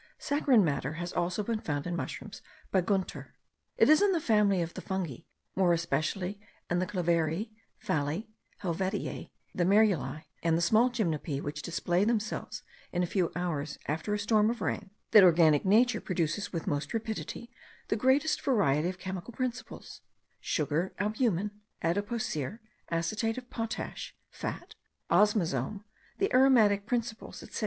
Saccharine matter has also been found in mushrooms by Gunther. It is in the family of the fungi, more especially in the clavariae, phalli, helvetiae, the merulii, and the small gymnopae which display themselves in a few hours after a storm of rain, that organic nature produces with most rapidity the greatest variety of chemical principles sugar, albumen, adipocire, acetate of potash, fat, ozmazome, the aromatic principles, etc.